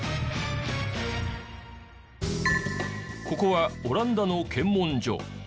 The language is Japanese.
ここはオランダの検問所。